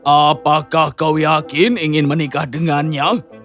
apakah kau yakin ingin menikah dengannya